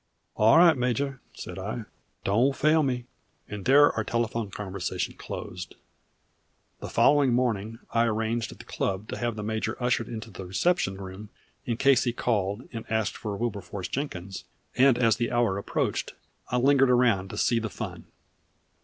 "All right, Major," said I. "Don't fail me." And there our telephone conversation closed. The following morning I arranged at the club to have the major ushered into the reception room in case he called and asked for Wilberforce Jenkins, and as the hour approached I lingered around to see the fun.